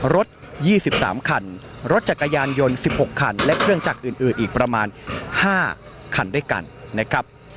รถ๒๓คันรถจักรยานยนต์๑๖คันและเครื่องจักรอื่นอีกประมาณ๕คันด้วยกันนะครับ